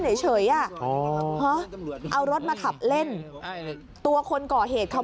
เฉยอ่ะอ๋อฮะเอารถมาขับเล่นตัวคนก่อเหตุเขา